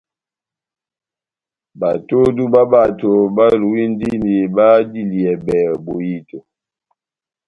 Batodu bá bato báluwindini badiliyɛbɛ bohito.